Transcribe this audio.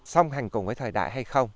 xong hành cùng với thời đại hay không